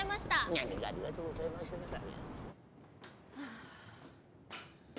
何が「ありがとうございました」だよ。